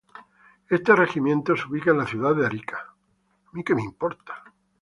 Este regimiento se ubica en la ciudad de Arica.